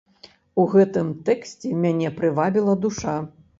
У гэтым тэксце мяне прывабіла душа.